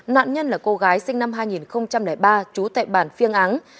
nạn nhân là cô gái sinh năm hai nghìn ba trú tại bản phiêng áng